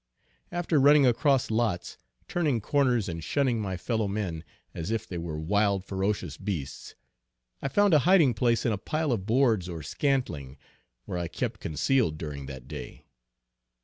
After running across lots, turning corners, and shunning my fellow men, as if they were wild ferocious beasts. I found a hiding place in a pile of boards or scantling, where I kept concealed during that day.